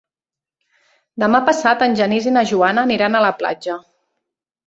Demà passat en Genís i na Joana aniran a la platja.